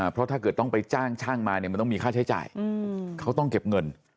เพราะถ้าเกิดต้องไปจ้างช่างมาเนี่ยมันต้องมีค่าใช้จ่ายเขาต้องเก็บเงิน